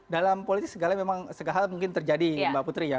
dalam politik segala memang segala hal mungkin terjadi mbak putri ya